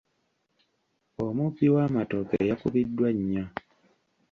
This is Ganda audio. Omubbi w'amatooke yakubiddwa nnyo.